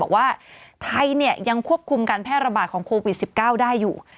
ว่าไทยยังควบคุมการแพร่ระบาดของโควิด๑๙ได้อยู่